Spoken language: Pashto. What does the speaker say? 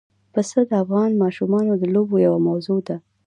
پسه د افغان ماشومانو د لوبو یوه موضوع ده.